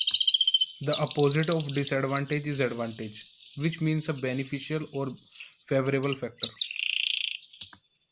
The opposite of disadvantage is advantage, which means a beneficial or favorable factor.